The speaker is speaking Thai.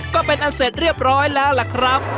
ก็เป็นอันเสร็จเรียบร้อยแล้วล่ะครับ